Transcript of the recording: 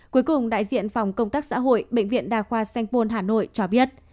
cuối cùng đại diện phòng công tác xã hội bệnh viện đa khoa sanh pôn hà nội cho biết